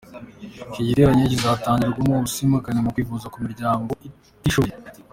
Iki giterane kizanatangirwamo ubwisungane mu kwivuza ku miryango itishoboye.